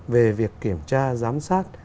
về việc kiểm tra giám sát